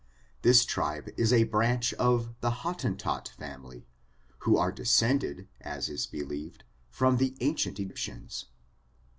This tribe is a branch of the Hot tentot family, who are descended, as is believed, from the ancient Egyptians.